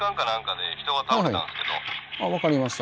あ分かりました。